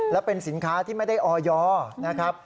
และเป็นสินค้าที่ไม่ได้ออยนะครับ